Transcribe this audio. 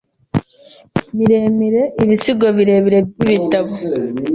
miremire ibisigo birebire byibitabo